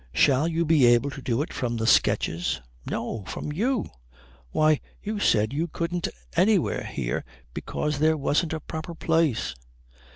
"Shall you be able to do it from the sketches?" "No. From you." "Why, you said you couldn't anywhere here because there wasn't a proper place."